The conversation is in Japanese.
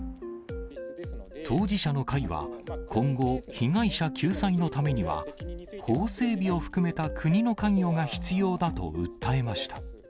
当事者の会は今後、被害者救済のためには、法整備を含めた国の関与が必要だと訴えました。